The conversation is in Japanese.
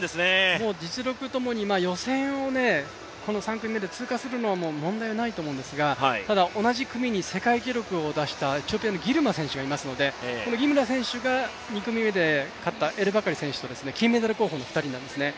実力ともに予選をこの３組目で通過するのももう問題ないと思うんですが、ただ、同じ組に世界記録を出したギルマ選手がいますのでこのギルマ選手が２組目で勝ったエルバカリ選手と金メダル候補の２人なんですね。